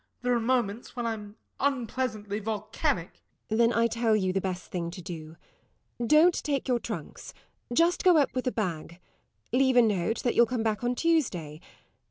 There are moments when I am unpleasantly volcanic. LADY TORMINSTER. Then I tell you the best thing to do. Don't take your trunks; just go up with a bag. Leave a note that you'll come back on Tuesday.